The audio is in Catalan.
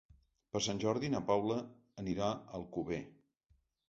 Per Sant Jordi na Paula anirà a Alcover.